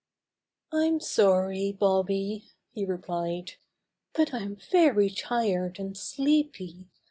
"I'm sorry, Bobby," he replied, "but I'm very tired and sleepy.